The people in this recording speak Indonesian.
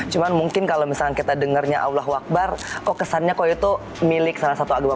cuma mungkin kalau misalnya kita dengarnya allah akbar kok kesannya koya tuh milik salah satu agama